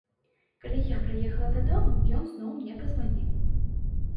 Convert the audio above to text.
Калі я прыехала дадому, ён зноў мне пазваніў.